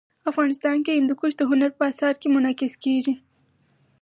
افغانستان کې هندوکش د هنر په اثار کې منعکس کېږي.